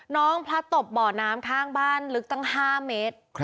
พระตบบ่อน้ำข้างบ้านลึกตั้ง๕เมตร